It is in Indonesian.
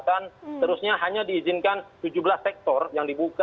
dan seterusnya hanya diizinkan tujuh belas sektor yang dibuka